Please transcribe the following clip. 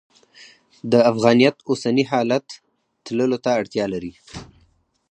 د افغانیت اوسني حالت تللو ته اړتیا لري.